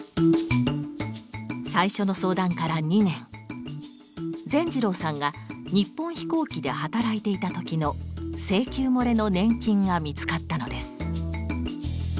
最初の相談から２年善次郎さんが日本飛行機で働いていた時の請求もれの年金が見つかったのです。